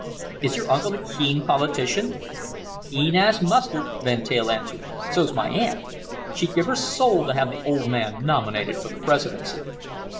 "Is your uncle a keen politician?" "Keen as mustard," Van Teyl answered. "So's my aunt. She'd give her soul to have the old man nominated for the Presidency."